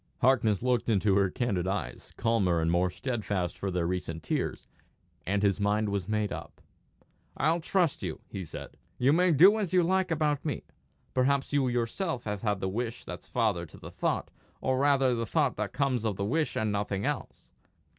Harkness looked into her candid eyes, calmer and more steadfast for their recent tears, and his mind was made up. "I'll trust you," he said; "you may do as you like about me. Perhaps you yourself have had the wish that's father to the thought, or rather the thought that comes of the wish and nothing else?